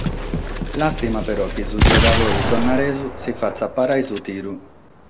Làstima però chi su giogadore tonaresu si fatzat parare su tiru.